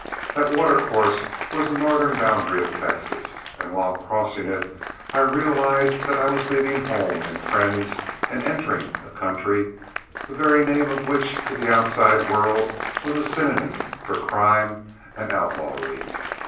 That watercourse was the northern boundary of Texas, and while crossing it I realized that I was leaving home and friends and entering a country the very name of which to the outside world was a synonym for crime and outlawry.